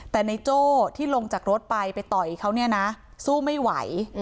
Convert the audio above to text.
แต่ในโจ้ที่ลงจากรถไปไปต่อยเขาเนี่ยนะสู้ไม่ไหว